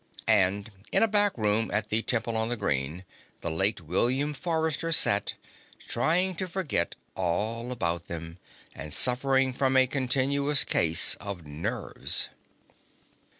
And, in a back room at the Temple on the Green, the late William Forrester sat, trying to forget all about them, and suffering from a continuous case of nerves.